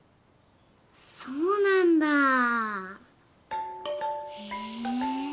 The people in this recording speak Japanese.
そうなんだへぇ。